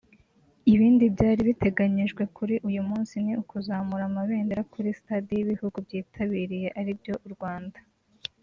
Ibindi byari biteganyijwe kuri uyu munsi ni ukuzamura amabendera kuri Stade y’ibihugu byitabiriye ari byo u Rwanda